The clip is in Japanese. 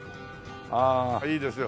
ああいいですよ。